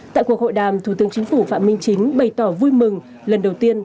tại cuộc hội đàm thủ tướng chính phủ phạm minh chính bày tỏ vui mừng lần đầu tiên